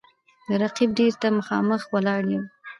د رقیب دېرې ته مـــخامخ ولاړ یـــــم